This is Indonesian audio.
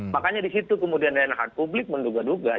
makanya di situ kemudian dan hat publik menduga duga